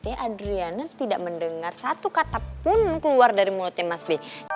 ya adriana tidak mendengar satu kata pun keluar dari mulutnya mas b